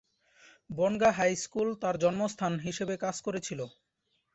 Bongaon high school তার জন্মস্থান হিসেবে কাজ করেছিল।